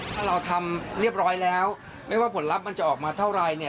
ถ้าเราทำเรียบร้อยแล้วไม่ว่าผลลัพธ์มันจะออกมาเท่าไรเนี่ย